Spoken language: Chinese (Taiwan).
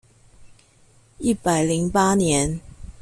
一百零八年